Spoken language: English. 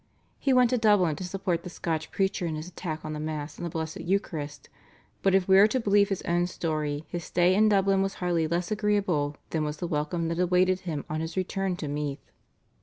He went to Dublin to support the Scotch preacher in his attack on the Mass and the Blessed Eucharist, but if we are to believe his own story his stay in Dublin was hardly less agreeable than was the welcome that awaited him on his return to Meath.